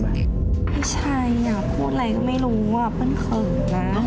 ไม่ใช่อยากพูดอะไรก็ไม่รู้เปิ้ลเขื่อน้ำ